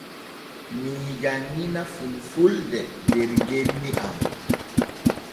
Mii janŋina fulfulde der genni am.